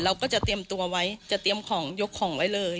เราก็จะเตรียมตัวไว้จะเตรียมของยกของไว้เลย